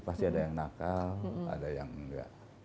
pasti ada yang nakal ada yang enggak